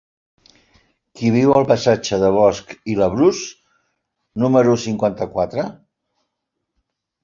Qui viu al passatge de Bosch i Labrús número cinquanta-quatre?